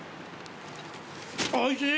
おいしい！